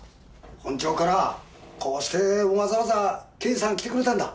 本庁からこうしてわざわざ刑事さん来てくれたんだ。